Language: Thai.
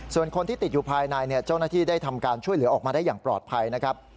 ส่วนคนที่ติดอยู่ภายในเจ้าหน้าที่ได้ทำการช่วยเหลือออกมาได้อย่างปลอดภัยนะครับ